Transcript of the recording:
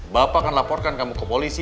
bapak akan laporkan kamu ke polisi